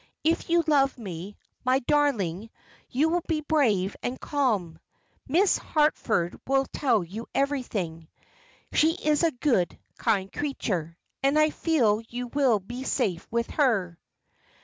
If you love me, my darling, you will be brave and calm. Miss Harford will tell you everything. She is a good, kind creature, and I feel you will be safe with her.